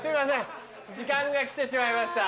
時間が来てしまいました。